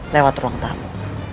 lewat ruang tamu